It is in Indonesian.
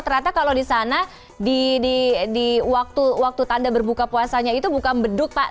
ternyata kalau di sana di waktu tanda berbuka puasanya itu bukan beduk pak